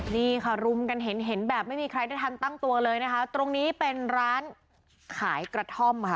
นี่ค่ะรุมกันเห็นเห็นแบบไม่มีใครได้ทันตั้งตัวเลยนะคะตรงนี้เป็นร้านขายกระท่อมค่ะ